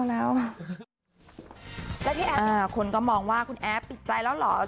และที่แอฟคุณก็บอกว่าคุณแอฟติดใจแล้วหรือ